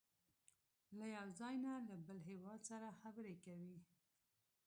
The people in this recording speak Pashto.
له یو ځای نه له بل هېواد سره خبرې کوي.